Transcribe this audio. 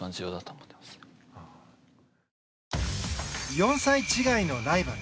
４歳違いのライバル。